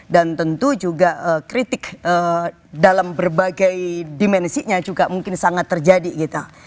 dan tentu juga kritik dalam berbagai dimensinya juga mungkin sangat terjadi gitu